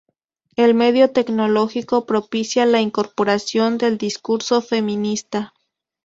El medio tecnológico propicia la incorporación del discurso feminista.